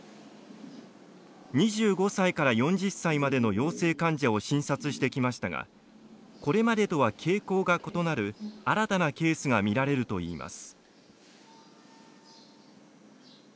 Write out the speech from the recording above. ２５歳から４０歳までの陽性患者を診察してきましたがこれまでとは傾向が異なる新たなケースが見られるといいます。